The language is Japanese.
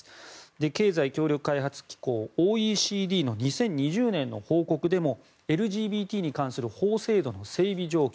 経済協力開発機構・ＯＥＣＤの２０２０年の報告でもＬＧＢＴに関する法整備の整備状況